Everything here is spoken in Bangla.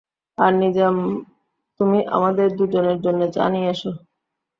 আর নিজাম, তুমি আমাদের দু জনের জন্যে চা নিয়ে এস।